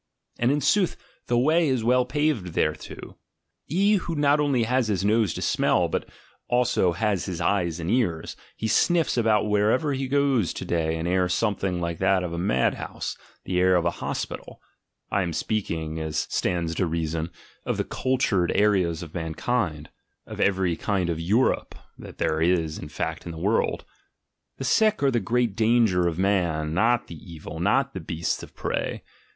And, in sooth, the way is well paved thereto. He who not only has his nose to smell with, but also has 128 THE GENEALOGY OF MORALS eves and ears, he sniffs almost wherever he goes to day an air something like that of a mad house, the air of a hospital — I am speaking, as stands to reason, of the cul tured areas of mankind, of every kind of "Europe'' that there is in fact in the world. The sick are the great danger of man, not the evil, not the "beasts of prey."